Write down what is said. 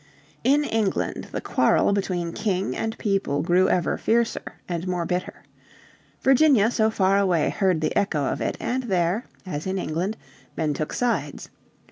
In England the quarrel between King and people grew ever fiercer and more bitter. Virginia so far away heard the echo of it, and there, as in England, men took sides.